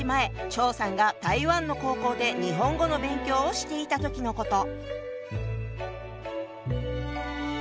張さんが台湾の高校で日本語の勉強をしていた時のこと。